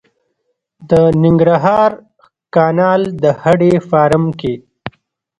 د ننګرهار کانال د هډې فارم کې